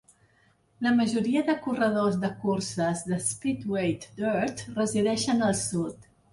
La majoria de corredors de curses de Speedway Dirt resideixen al sud.